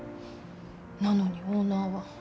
なのにオーナーは。